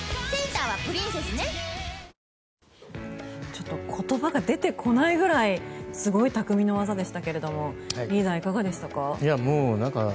ちょっと言葉が出てこないぐらいすごいたくみの技でしたがリーダー、いかがでしたか？